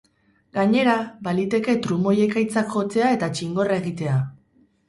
Gainera, baliteke trumoi-ekaitzak jotzea eta txingorra egitea.